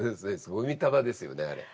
ゴミ束ですよねあれ。